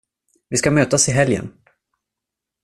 Vi ska mötas i helgen.